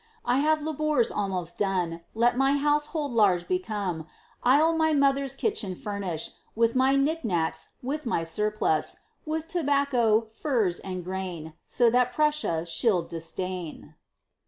I have lab'rors almost none; Let my household large become; I'll my mother's kitchen furnish With my knick knacks, with my surplus; With tobacco, furs and grain; So that Prussia she'll disdain.